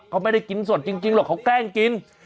เขาไม่ได้กินสดจริงหรอกเขาแกล้งกิน